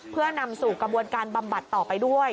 เพื่อนำสู่กระบวนการบำบัดต่อไปด้วย